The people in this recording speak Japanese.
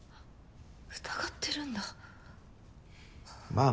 疑ってるんだはぁ。